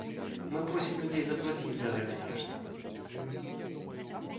Мы просім людзей заплаціць за гэта нешта.